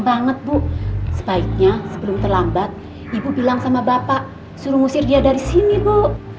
banget bu sebaiknya sebelum terlambat ibu bilang sama bapak suruh ngusir dia dari sini bu